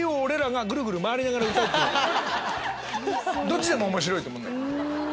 どっちでも面白いと思うんだよね。